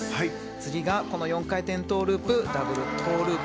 次が４回転トウループダブルトウループ。